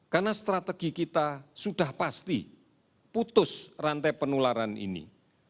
karena strategi kita sudah pasti putus rantai penularan ini